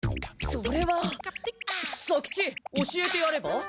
それは左吉教えてやれば？